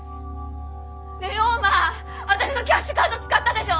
ねえ陽馬あたしのキャッシュカード使ったでしょ！